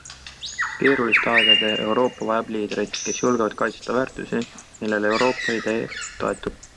Keeruliste aegade Euroopa vajab liidreid, kes julgevad kaitsta väärtusi, millele Euroopa-idee toetub.